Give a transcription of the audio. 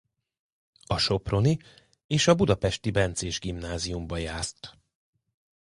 A soproni és a budapesti bencés gimnáziumba járt.